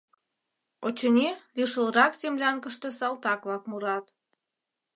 Очыни, лишылрак землянкыште салтак-влак мурат.